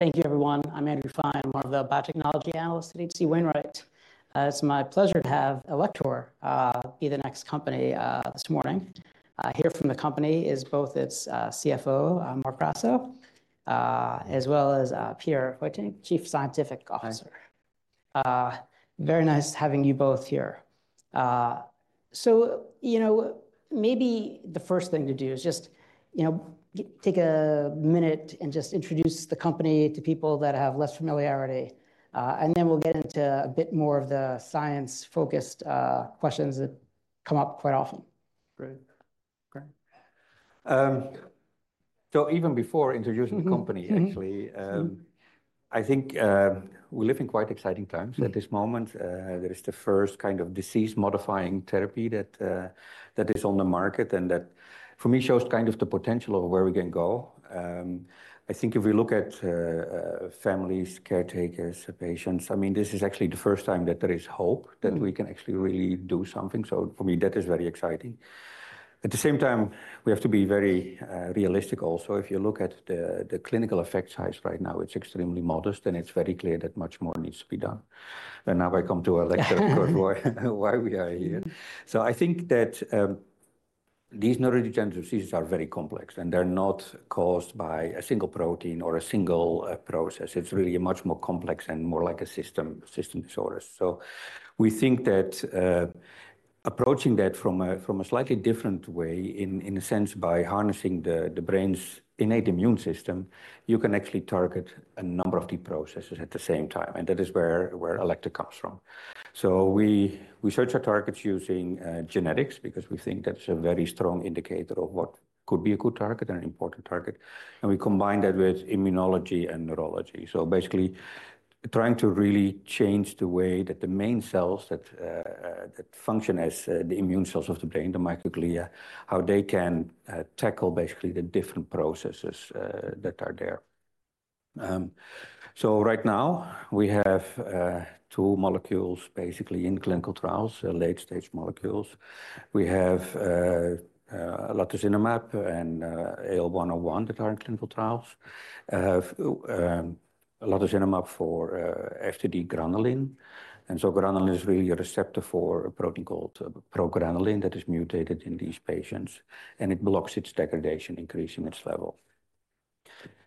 Thank you, everyone. I'm Andrew Fein, one of the biotechnology analysts at H.C. Wainwright. It's my pleasure to have Alector be the next company this morning. Here from the company is both its CFO, Marc Grasso, as well as Peter Heutink, Chief Scientific Officer. Very nice having you both here. So, you know, maybe the first thing to do is just, you know, take a minute and just introduce the company to people that have less familiarity, and then we'll get into a bit more of the science-focused questions that come up quite often. Great. Great. So even before introducing the company actually, I think, we live in quite exciting times. At this moment, there is the first disease-modifying therapy that, that is on the market, and that, for me, shows the potential of where we can go. I think if we look at, families, caretakers, patients, I mean, this is actually the first time that there is hope that we can actually really do something. So for me, that is very exciting. At the same time, we have to be very realistic also. If you look at the clinical effect size right now, it's extremely modest, and it's very clear that much more needs to be done. And now I come to Alector- of course, why we are here. So I think that these neurodegenerative diseases are very complex, and they're not caused by a single protein or a single process. It's really a much more complex and more like a system disorder. So we think that approaching that from a slightly different way, in a sense, by harnessing the brain's innate immune system, you can actually target a number of the processes at the same time, and that is where Alector comes from. So we search our targets using genetics because we think that's a very strong indicator of what could be a good target and an important target, and we combine that with immunology and neurology. So basically, trying to really change the way that the main cells that function as the immune cells of the brain, the microglia, how they can tackle basically the different processes that are there. So right now, we have two molecules, basically, in clinical trials, late-stage molecules. We have latozinemab and AL101 that are in clinical trials. Latozinemab for FTD granulin, and so granulin is really a receptor for a protein called progranulin that is mutated in these patients, and it blocks its degradation, increasing its level.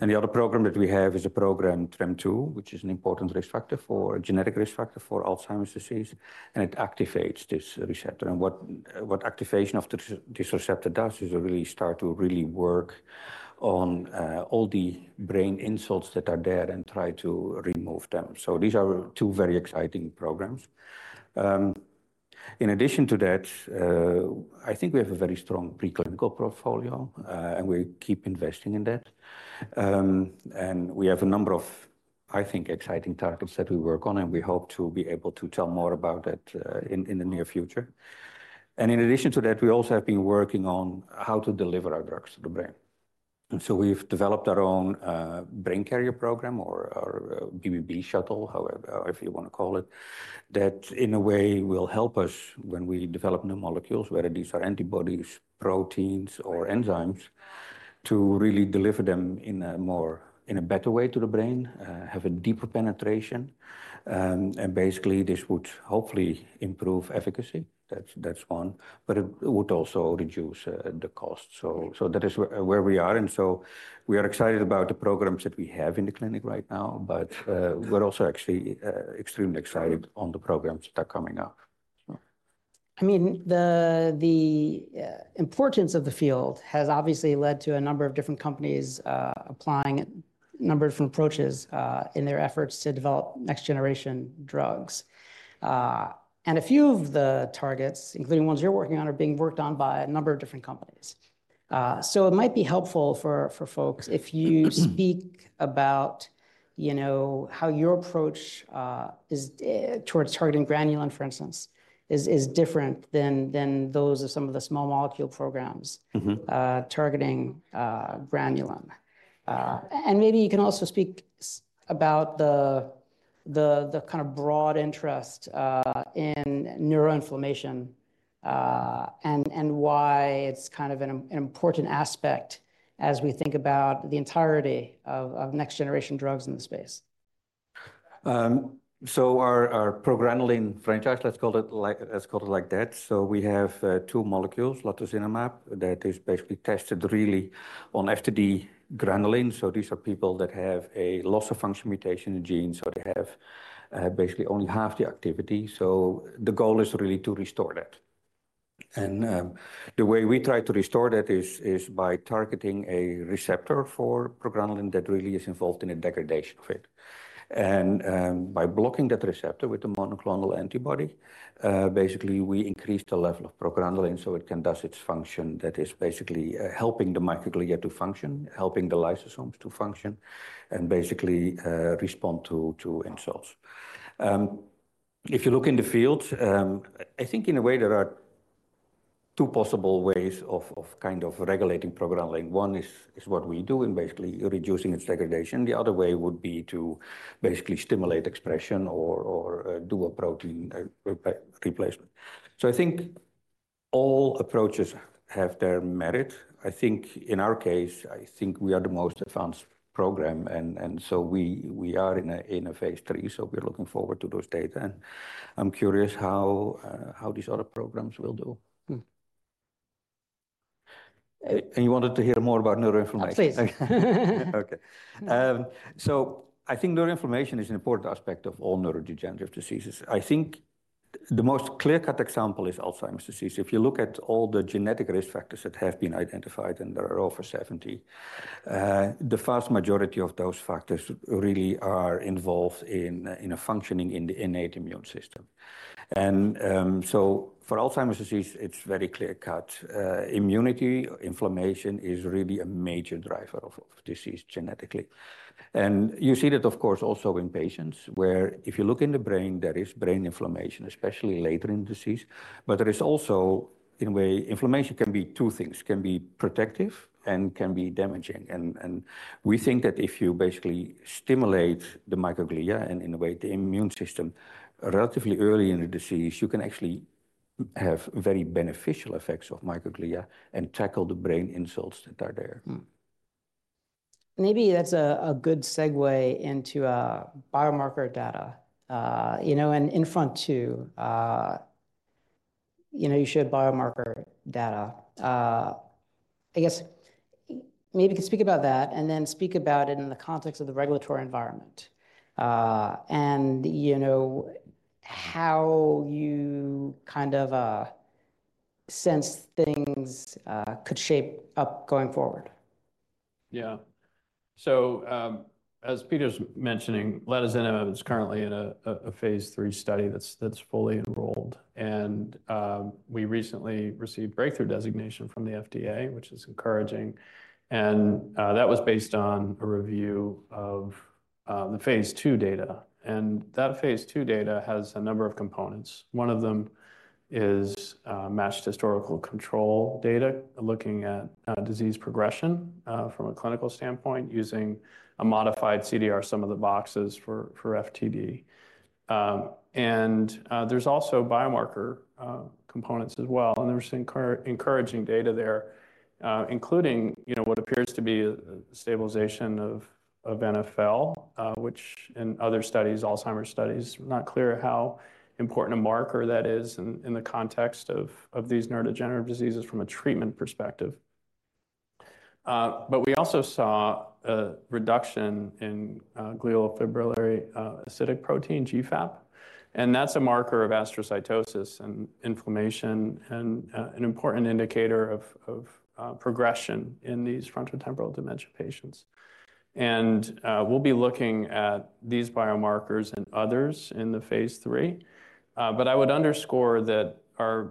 And the other program that we have is a program, TREM2, which is an important risk factor for genetic risk factor for Alzheimer's disease, and it activates this receptor. And what activation of this receptor does is it really start to really work on all the brain insults that are there and try to remove them. So these are two very exciting programs. In addition to that, I think we have a very strong preclinical portfolio, and we keep investing in that. And we have a number of, I think, exciting targets that we work on, and we hope to be able to tell more about that in the near future. And in addition to that, we also have been working on how to deliver our drugs to the brain. And so we've developed our own brain carrier program or BBB shuttle, however you wanna call it, that in a way will help us when we develop new molecules, whether these are antibodies, proteins, or enzymes, to really deliver them in a better way to the brain, have a deeper penetration, and basically this would hopefully improve efficacy. That's, that's one, but it would also reduce the cost. So that is where we are, and so we are excited about the programs that we have in the clinic right now, but we're also actually extremely excited on the programs that are coming up. I mean, the importance of the field has obviously led to a number of different companies applying a number of different approaches in their efforts to develop next-generation drugs. And a few of the targets, including ones you're working on, are being worked on by a number of different companies. So it might be helpful for folks if you speak about, you know, how your approach is towards targeting granulin, for instance, is different than those of some of the small molecule programs targeting Granulin. And maybe you can also speak about the broad interest in neuroinflammation, and why it's an important aspect as we think about the entirety of next-generation drugs in the space. So our progranulin franchise, let's call it like that. So we have two molecules, latozinemab, that is basically tested really on FTD granulin. So these are people that have a loss-of-function mutation in genes, so they have basically only half the activity. So the goal is really to restore that. And the way we try to restore that is by targeting a receptor for progranulin that really is involved in the degradation of it. And by blocking that receptor with the monoclonal antibody, basically, we increase the level of progranulin, so it can does its function, that is basically helping the microglia to function, helping the lysosomes to function, and basically respond to insults. If you look in the field, I think in a way there are two possible ways of regulating progranulin. One is what we do, and basically, reducing its degradation. The other way would be to basically stimulate expression or do a protein replacement. So I think all approaches have their merit. I think in our case, I think we are the most advanced program, and so we are in a phase 3, so we're looking forward to those data. And I'm curious how these other programs will do. And you wanted to hear more about neuroinflammation? Please. Okay. So I think neuroinflammation is an important aspect of all neurodegenerative diseases. I think the most clear-cut example is Alzheimer's disease. If you look at all the genetic risk factors that have been identified, and there are over 70, the vast majority of those factors really are involved in, in a functioning in the innate immune system. And, so for Alzheimer's disease, it's very clear cut. Immunity, inflammation is really a major driver of, of disease genetically. And you see that, of course, also in patients, where if you look in the brain, there is brain inflammation, especially later in disease. But there is also, in a way, inflammation can be two things: It can be protective and can be damaging. And we think that if you basically stimulate the microglia, and in a way, the immune system, relatively early in the disease, you can actually have very beneficial effects of microglia and tackle the brain insults that are there. Maybe that's a good segue into biomarker data. You know, and in INFRONT-2, you know, you showed biomarker data. I guess, maybe you can speak about that, and then speak about it in the context of the regulatory environment, and you know, how you sense things could shape up going forward. So, as Peter's mentioning, latozinemab is currently in a phase 3 study that's fully enrolled, and we recently received breakthrough designation from the FDA, which is encouraging. That was based on a review of the phase 2 data, and that phase 2 data has a number of components. One of them is matched historical control data, looking at disease progression from a clinical standpoint, using a modified CDR, some of the boxes for FTD. And there's also biomarker components as well, and there's encouraging data there, including, you know, what appears to be a stabilization of NfL, which in other studies, Alzheimer's studies, not clear how important a marker that is in the context of these neurodegenerative diseases from a treatment perspective. But we also saw a reduction in glial fibrillary acidic protein, GFAP, and that's a marker of astrocytosis and inflammation and an important indicator of progression in these frontotemporal dementia patients. And we'll be looking at these biomarkers and others in the phase three. But I would underscore that our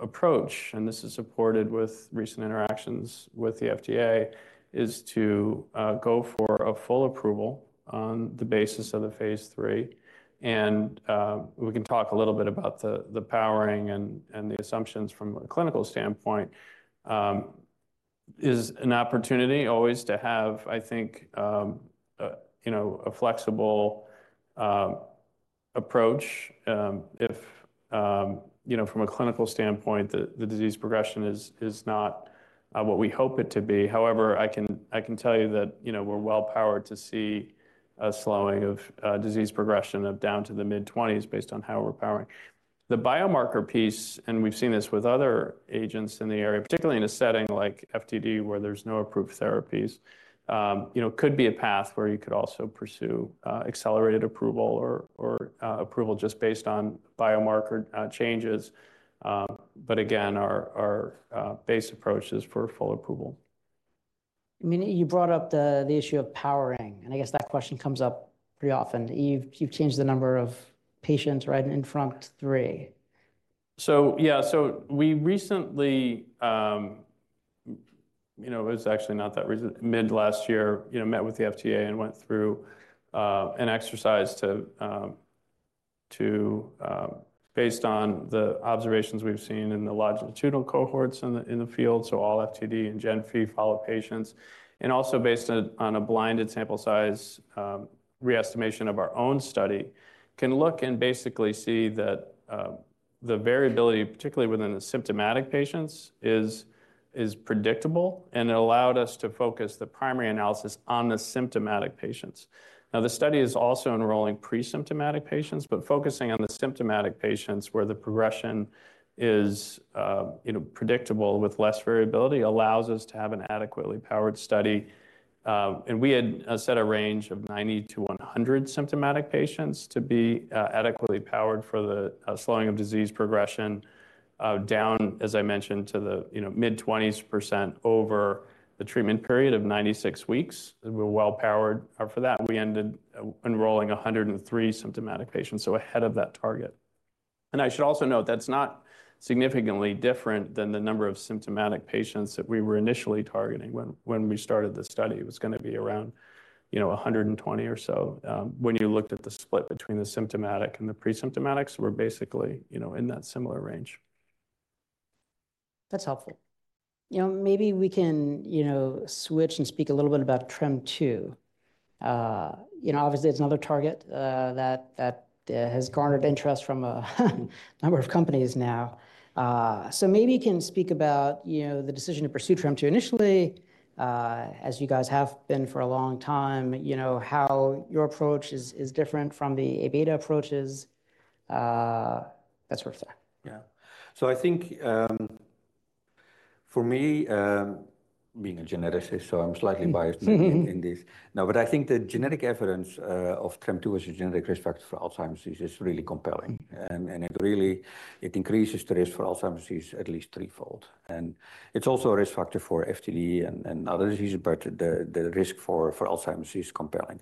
approach, and this is supported with recent interactions with the FDA, is to go for a full approval on the basis of the phase three. And we can talk a little bit about the powering and the assumptions from a clinical standpoint. Is an opportunity always to have, I think, you know, a flexible approach, if you know, from a clinical standpoint, the disease progression is not what we hope it to be. However, I can tell you that, you know, we're well-powered to see a slowing of disease progression down to the mid-20s based on how we're powering. The biomarker piece, and we've seen this with other agents in the area, particularly in a setting like FTD, where there's no approved therapies, you know, could be a path where you could also pursue accelerated approval or approval just based on biomarker changes. But again, our base approach is for full approval. I mean, you brought up the issue of powering, and I guess that question comes up pretty often. You've changed the number of patients, right, INFRONT-3? So we recently, you know, it was actually not that recent, mid last year, you know, met with the FDA and went through an exercise to, based on the observations we've seen in the longitudinal cohorts in the field, so all FTD and GENFI follow patients, and also based on a blinded sample size reestimation of our own study, can look and basically see that the variability, particularly within the symptomatic patients, is predictable, and it allowed us to focus the primary analysis on the symptomatic patients. Now, the study is also enrolling pre-symptomatic patients, but focusing on the symptomatic patients where the progression is, you know, predictable with less variability, allows us to have an adequately powered study. And we had set a range of 90-100 symptomatic patients to be adequately powered for the slowing of disease progression down, as I mentioned, to the, you know, mid-20s% over the treatment period of 96 weeks. We're well-powered for that. We ended enrolling 103 symptomatic patients, so ahead of that target. And I should also note that's not significantly different than the number of symptomatic patients that we were initially targeting when we started the study. It was gonna be around, you know, 120 or so. When you looked at the split between the symptomatic and the pre-symptomatics, we're basically, you know, in that similar range. That's helpful. You know, maybe we can, you know, switch and speak a little bit about TREM2. You know, obviously, it's another target that has garnered interest from a number of companies now. So maybe you can speak about, you know, the decision to pursue TREM2 initially, as you guys have been for a long time, you know, how your approach is different from the Abeta approaches, that thing. So I think, for me, being a geneticist, so I'm slightly biased in this. No, but I think the genetic evidence of TREM2 as a genetic risk factor for Alzheimer's disease is really compelling, and it really increases the risk for Alzheimer's disease at least threefold. And it's also a risk factor for FTD and other diseases, but the risk for Alzheimer's disease is compelling.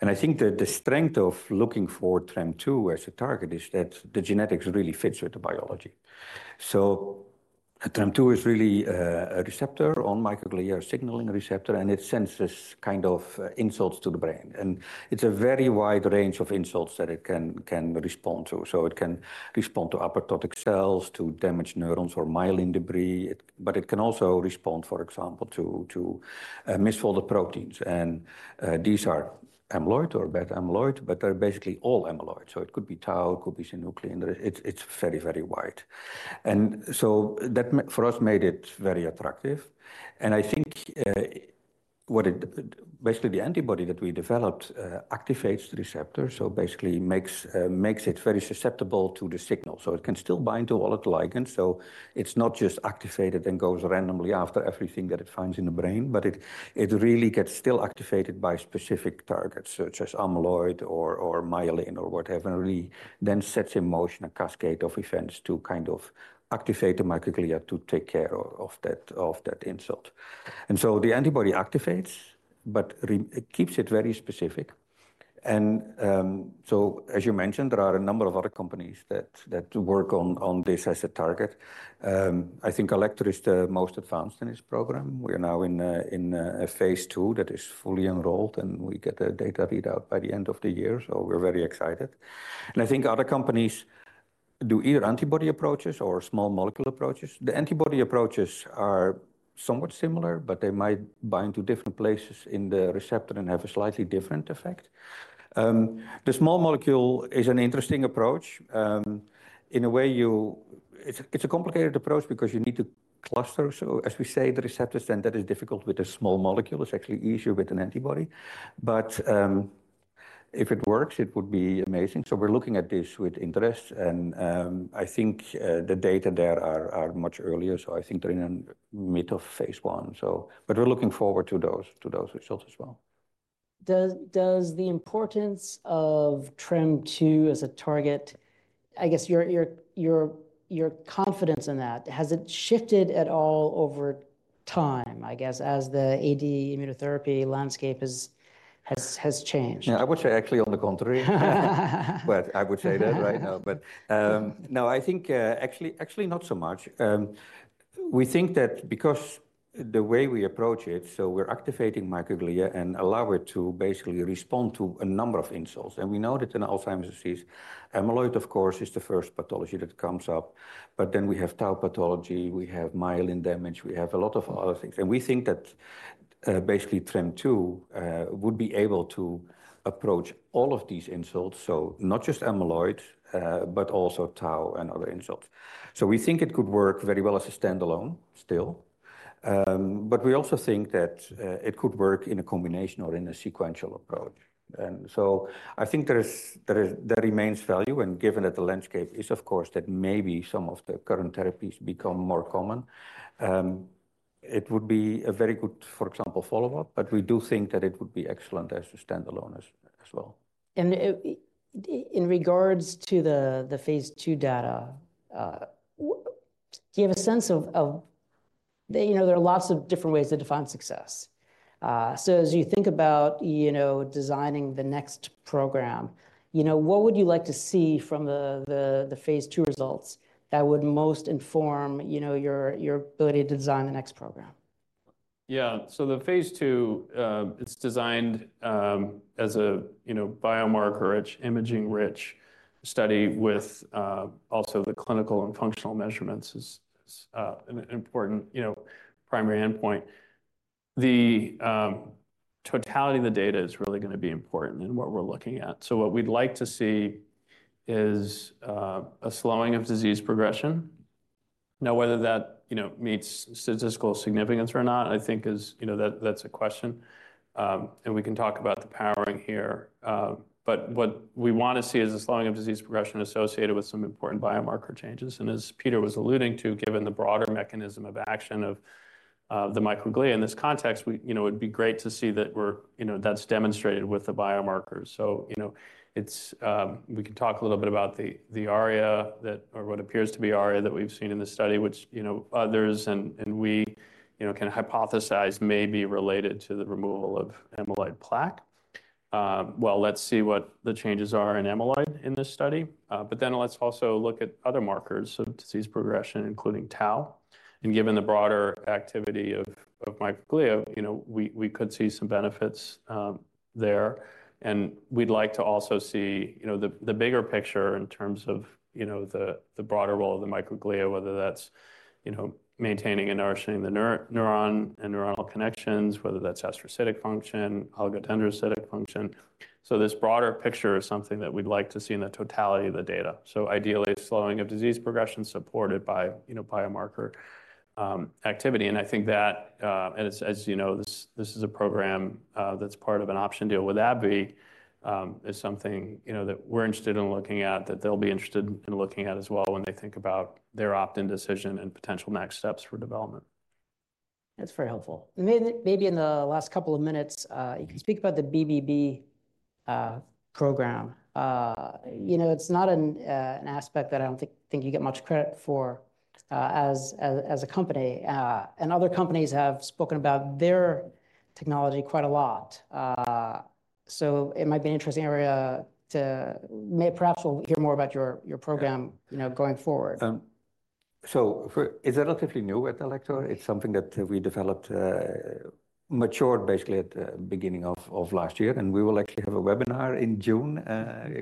And I think the strength of looking for TREM2 as a target is that the genetics really fits with the biology. So TREM2 is really a receptor on microglial signaling receptor, and it senses insults to the brain. And it's a very wide range of insults that it can respond to. So it can respond to apoptotic cells, to damaged neurons or myelin debris, but it can also respond, for example, to misfolded proteins, and these are amyloid or bad amyloid, but they're basically all amyloid. So it could be tau, it could be synuclein. It's, it's very, very wide. And so that for us, made it very attractive. And I think what it basically, the antibody that we developed activates the receptor, so basically makes makes it very susceptible to the signal. So it can still bind to all its ligands, so it's not just activated and goes randomly after everything that it finds in the brain, but it really gets still activated by specific targets, such as amyloid or myelin or whatever, and really then sets in motion a cascade of events to activate the microglia to take care of that insult. And so the antibody activates, but it keeps it very specific. And so, as you mentioned, there are a number of other companies that work on this as a target. I think Alector is the most advanced in this program. We're now in a phase 2 that is fully enrolled, and we get the data readout by the end of the year, so we're very excited. And I think other companies do either antibody approaches or small molecule approaches. The antibody approaches are somewhat similar, but they might bind to different places in the receptor and have a slightly different effect. The small molecule is an interesting approach. In a way, it's a complicated approach because you need to cluster. So as we say, the receptor center is difficult with a small molecule. It's actually easier with an antibody. But if it works, it would be amazing. So we're looking at this with interest, and I think the data there are much earlier, so I think they're in the mid of phase I. But we're looking forward to those results as well. Does the importance of TREM2 as a target, I guess your confidence in that, has it shifted at all over time, I guess, as the AD immunotherapy landscape has changed? I would say actually on the contrary. But I would say that right now. But, no, I think, actually not so much. We think that because the way we approach it, so we're activating microglia and allow it to basically respond to a number of insults. And we know that in Alzheimer's disease, amyloid, of course, is the first pathology that comes up, but then we have tau pathology, we have myelin damage, we have a lot of other things. And we think that, basically TREM2 would be able to approach all of these insults, so not just amyloid, but also tau and other insults. So we think it could work very well as a standalone, still. But we also think that, it could work in a combination or in a sequential approach. And so I think there is, there remains value, and given that the landscape is, of course, that maybe some of the current therapies become more common, it would be a very good, for example, follow-up, but we do think that it would be excellent as a standalone as well. In regards to the Phase II data, do you have a sense of... You know, there are lots of different ways to define success. So as you think about, you know, designing the next program, you know, what would you like to see from the Phase II results that would most inform, you know, your ability to design the next program? So the phase II, it's designed, as a, you know, biomarker-rich, imaging-rich study with, also the clinical and functional measurements as, an important, you know, primary endpoint. The totality of the data is really gonna be important in what we're looking at. So what we'd like to see is, a slowing of disease progression. Now, whether that, you know, meets statistical significance or not, I think is, you know, that's a question, and we can talk about the powering here. But what we wanna see is a slowing of disease progression associated with some important biomarker changes. And as Peter was alluding to, given the broader mechanism of action of, the microglia in this context, we, you know, it'd be great to see that we're, you know, that's demonstrated with the biomarkers. So, you know, it's we can talk a little bit about the ARIA or what appears to be ARIA that we've seen in this study, which you know others and we you know can hypothesize may be related to the removal of amyloid plaque. Well, let's see what the changes are in amyloid in this study. But then let's also look at other markers of disease progression, including tau. Given the broader activity of microglia, you know we could see some benefits there. We'd like to also see you know the bigger picture in terms of you know the broader role of the microglia, whether that's you know maintaining and nourishing the neuron and neuronal connections, whether that's astrocytic function, oligodendrocyte function... So this broader picture is something that we'd like to see in the totality of the data. So ideally, slowing of disease progression supported by, you know, biomarker activity. And I think that, and as you know, this is a program that's part of an option deal with AbbVie, is something, you know, that we're interested in looking at, that they'll be interested in looking at as well when they think about their opt-in decision and potential next steps for development. That's very helpful. Maybe in the last couple of minutes, you can speak about the BBB program. You know, it's not an aspect that I don't think you get much credit for as a company. And other companies have spoken about their technology quite a lot. So it might be an interesting area to maybe perhaps we'll hear more about your program, you know, going forward. So it's relatively new at Alector. It's something that we developed, matured basically at the beginning of last year, and we will actually have a webinar in June,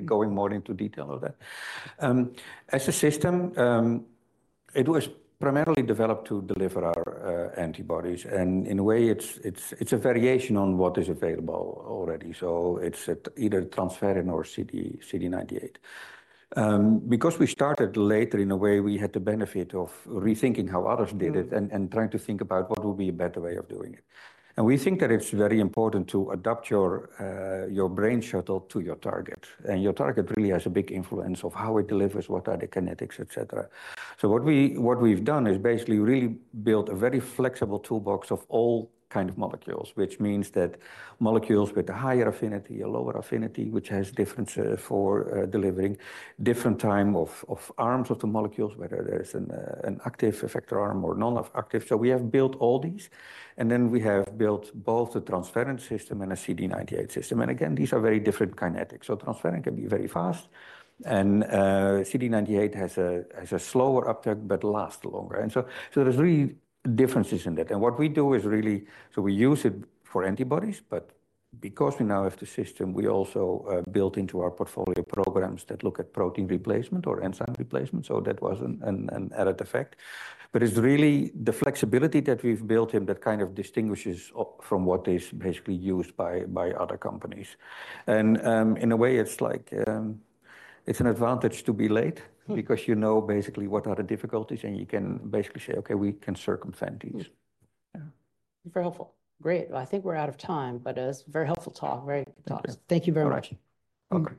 going more into detail of that. As a system, it was primarily developed to deliver our antibodies, and in a way, it's a variation on what is available already, so it's at either transferrin or CD98. Because we started later, in a way, we had the benefit of rethinking how others did it and trying to think about what would be a better way of doing it. And we think that it's very important to adapt your brain shuttle to your target, and your target really has a big influence of how it delivers, what are the kinetics, et cetera. So what we've done is basically really built a very flexible toolbox of all molecules, which means that molecules with a higher affinity, a lower affinity, which has differences for delivering different time of arms of the molecules, whether there's an active effector arm or non-active. So we have built all these, and then we have built both a transferrin system and a CD98 system. And again, these are very different kinetics. So transferrin can be very fast, and CD98 has a slower uptake but lasts longer. And so there's really differences in that. And what we do is really— So we use it for antibodies, but because we now have the system, we also built into our portfolio programs that look at protein replacement or enzyme replacement, so that was an added effect. But it's really the flexibility that we've built in that distinguishes us from what is basically used by other companies. And in a way, it's like, it's an advantage to be late because you know basically what are the difficulties, and you can basically say, "Okay, we can circumvent these." Very helpful. Great. Well, I think we're out of time, but it was a very helpful talk. Very good talk. Thank you very much. All right. Okay.